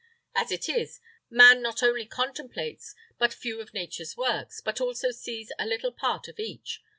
As it is, man not only contemplates but few of nature's works, but also only sees a little part of each.